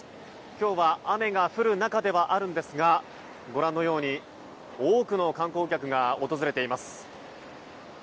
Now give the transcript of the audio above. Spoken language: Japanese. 今日は雨が降る中ではあるんですがご覧のように多くの観光客が訪れています。